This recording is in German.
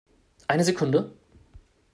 Eine Sekunde